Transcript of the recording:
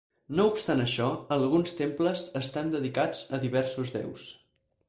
No obstant això, alguns temples estan dedicats a diversos déus.